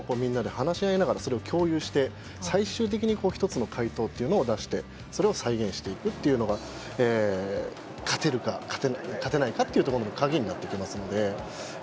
ボッチャも戦術を皆で話し合いながら共有して最終的に一つの解答というのを出してそれを再現していくというのは勝てるか勝てないかというところの鍵になってきますので。